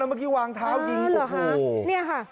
มากี้วางเท้ายิงโอ้โห